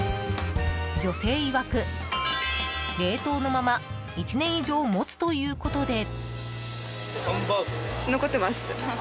女性いわく、冷凍のまま１年以上もつということで。